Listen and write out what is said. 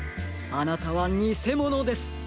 あなたはにせものです！